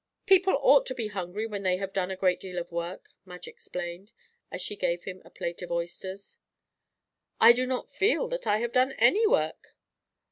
"People ought to be hungry when they have done a great deal of work," Madge explained, as she gave him a plate of oysters. "I do not feel that I have done any work."